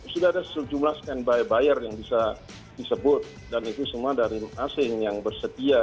sudah ada sejumlah standby buyer yang bisa disebut dan itu semua dari asing yang bersedia